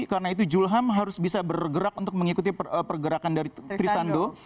karena itu julham harus bisa bergerak untuk mengikuti pergerakan dari tristando